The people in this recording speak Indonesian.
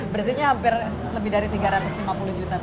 bersihnya hampir lebih dari tiga ratus lima puluh juta